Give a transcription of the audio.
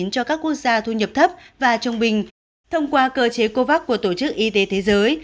cho các quốc gia thu nhập thấp và trung bình thông qua cơ chế covax của tổ chức y tế thế giới